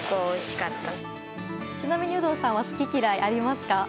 ちなみに有働さんは好き嫌いありますか？